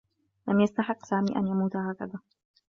لم يستحقّ سامي أن يموت هكذا.